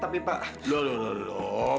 kamu bisa nikah sama leluhur